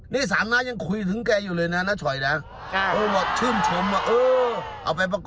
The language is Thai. นี่สามน้ายังคุยถึงแกอยู่เลยนะน้าฉอยนะ